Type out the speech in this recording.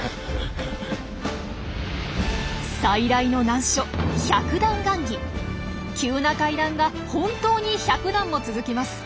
最大の難所急な階段が本当に百段も続きます。